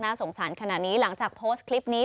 สงสารขนาดนี้หลังจากโพสต์คลิปนี้